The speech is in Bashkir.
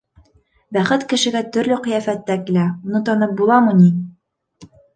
Бәхет кешегә төрлө ҡиәфәттә килә, уны танып буламы ни?